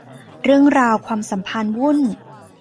เรื่องราวความสัมพันธ์วุ่น